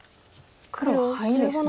黒ハイですね。